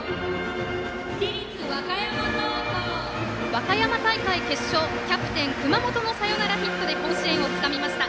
和歌山大会決勝キャプテン熊本のサヨナラヒットで甲子園をつかみました。